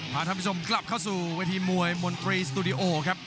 ท่านผู้ชมกลับเข้าสู่เวทีมวยมนตรีสตูดิโอครับ